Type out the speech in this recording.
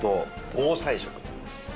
防災食！？